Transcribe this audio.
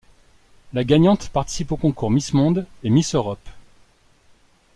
La gagnante participe aux concours Miss Monde et Miss Europe.